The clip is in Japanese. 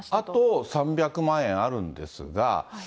あと３００万円あるんですが。